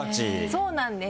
そうなんです！